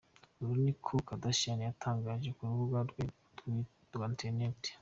" Uku ni ko Kardashian yatangaje ku rubuga rwe bwite rwa ’nternet’.